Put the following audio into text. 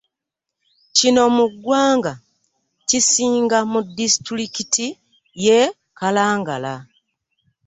Kino mu ggwanga kisinga mu disitulikiti y'e Kalangala